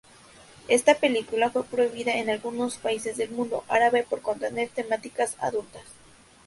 Esta película fue prohibida en algunos países del mundo árabe por contener temáticas adultas.